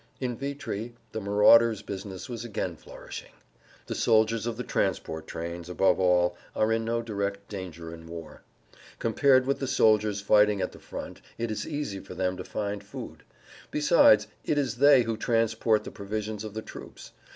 In Vitry the marauders' business was again flourishing. The soldiers of the transport trains, above all, are in no direct danger in war. Compared with the soldiers fighting at the front it is easy for them to find food; besides, it is they who transport the provisions of the troops.